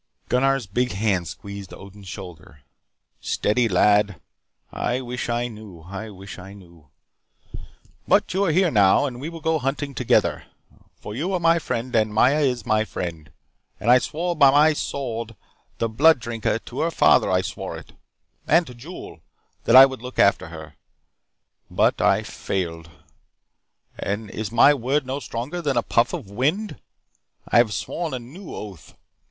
Gunnar's big hand squeezed Odin's shoulder. "Steady, lad. I wish I knew. I wish I knew. But you are here now, and we will go hunting together. For you are my friend and Maya is my friend. And I swore by my sword, the Blood Drinker, to her father I swore it. And to Jul. That I would look after her. But I failed. And is my word no stronger than a puff of wind? I have sworn a new oath.